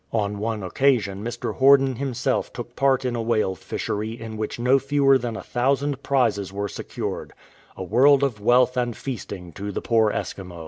On one occasion Mr. Horden himself took part in a whale fishery in which no fewer than a thousand prizes were secured — a world of wealth and feasting to the poor Eskimo.